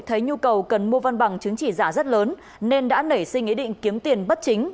thấy nhu cầu cần mua văn bằng chứng chỉ giả rất lớn nên đã nảy sinh ý định kiếm tiền bất chính